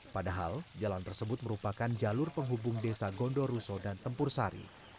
padahal jalan tersebut merupakan jalur penghubung desa gondoruso dan tempur sari